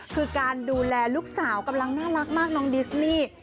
คือการดูแลลูกสาวกำลังน่ารักมากน้องดิสนี่